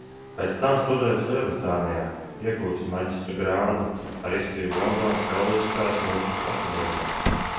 Pēc tam studējusi Lielbritānijā, ieguvusi maģistra grādu ar izcilību Londonas Karaliskās mūzikas akadēmijā.